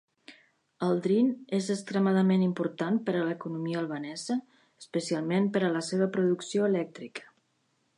El Drin és extremadament important per a l'economia albanesa, especialment per a la seva producció elèctrica.